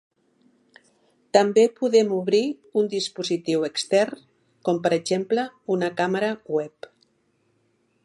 També podem obrir un dispositiu extern, com per exemple una càmera web.